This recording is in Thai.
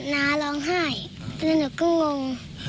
น้าร้องไห้แล้วหนูก็งง